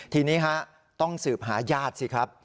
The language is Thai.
ทีนี้ต้องสืบหาญาติสิครับ